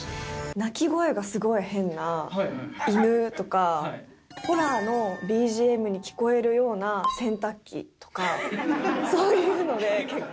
鳴き声がすごい変な犬とか、ホラーのＢＧＭに聴こえるような洗濯機とか、そういうので結構。